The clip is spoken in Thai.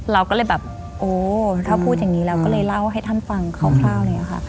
เราก็เลยแบบโอ้ถ้าพูดอย่างนี้แล้วก็เลยเล่าให้ท่านฟังคร่าว